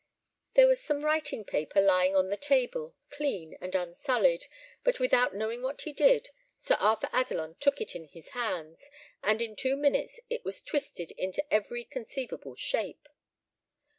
There was some writing paper lying on the table, clean and unsullied; but without knowing what he did, Sir Arthur Adelon took it in his hands, and in two minutes it was twisted into every conceivable shape.